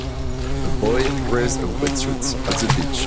a boy wears a wetsuit at the beach.